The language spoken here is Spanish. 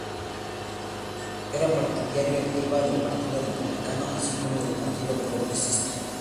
Era partidaria activa del Partido Republicano, así como del Partido Progresista.